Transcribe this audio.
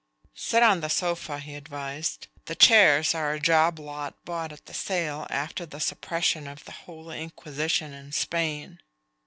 "Sit on the sofa," he advised. "The chairs are a job lot bought at the sale after the suppression of the Holy Inquisition in Spain.